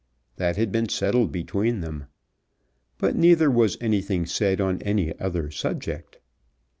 That had been settled between them. But neither was anything said on any other subject.